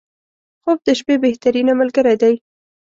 • خوب د شپې بهترینه ملګری دی.